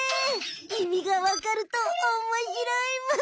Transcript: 意味がわかるとおもしろいむ。